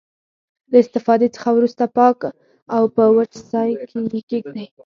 له استفادې څخه وروسته پاک او په وچ ځای کې یې کیږدئ.